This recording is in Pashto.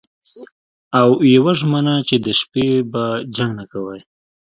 او یوه ژمنه چې د شپې به جنګ نه کوئ